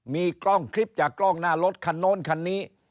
มีกล้องคลิปจากกล้องหน้ารถคันโน้นคันนี้